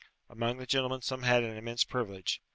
Amongst the gentlemen some had an immense privilege.